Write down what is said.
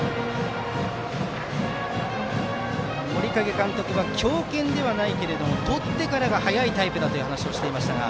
森影監督は強肩ではないけれどもとってから速いタイプだと話しています。